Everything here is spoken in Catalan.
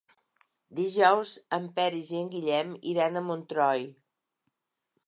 Dijous en Peris i en Guillem iran a Montroi.